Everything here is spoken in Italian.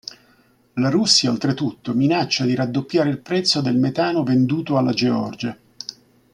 La Russia oltretutto minaccia di raddoppiare il prezzo del metano venduto alla Georgia.